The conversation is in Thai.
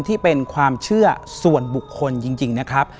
ที่เป็นความเชื่อส่วนบุคคลจริงนะครับ